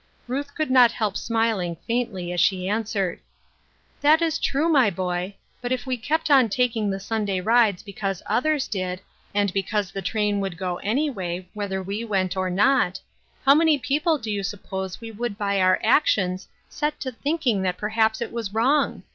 Ruth could not help smil ing faintly as she answered :—" That is true, my boy, but if we kept on taking the Sunday rides because others did, and because the train would go anyway, whether we went or not, how many people do you suppose we would by our actions set to thinking that perhaps it was wrong